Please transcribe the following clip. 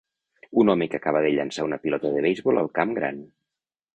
Un home que acaba de llançar un pilota de beisbol al camp gran.